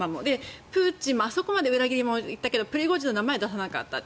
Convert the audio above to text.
プーチンもあそこまで裏切り者だと言ったけどプリゴジンの名前は出さなかった。